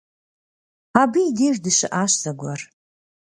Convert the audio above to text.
Абы и деж дыщыӏащ зэгуэр.